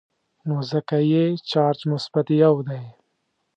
نو ځکه یې چارج مثبت یو دی.